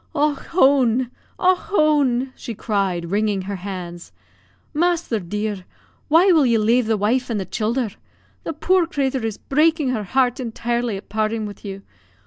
"Och hone! Och hone!" she cried, wringing her hands, "masther dear, why will you lave the wife and the childher? The poor crathur is breakin' her heart intirely at partin' wid you.